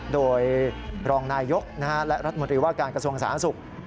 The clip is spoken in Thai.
โดยรองนายยกและรัฐมนตรีว่าการกระทรวงสาธารณสุข